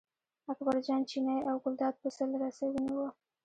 اکبرجان چینی او ګلداد پسه له رسۍ ونیوه.